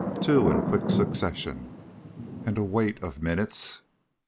Two in quick succession, and a wait of minutes.